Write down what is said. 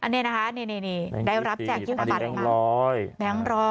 เล่นขี้ได้รับแจกธนบัตรมาก